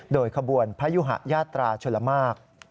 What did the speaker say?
โดยขบวนพยุหะยาตราชลมาก